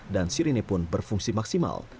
dan sirene pun berfungsi maksimal